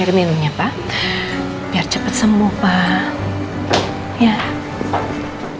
air minumnya pak biar cepat sembuh pak